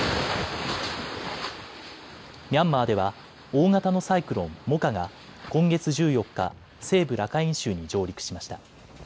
ミャンマーでは大型のサイクロン、モカが今月１４日、西部ラカイン州に上陸しました。